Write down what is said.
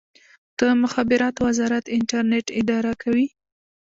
د مخابراتو وزارت انټرنیټ اداره کوي